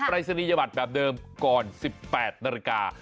รายศนียบัตรแบบเดิมก่อน๑๘นาฬิกา